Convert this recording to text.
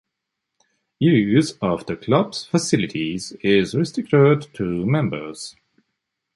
Use of the Club's facilities is restricted to members.